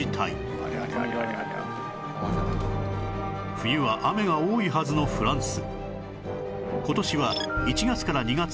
冬は雨が多いはずのフランス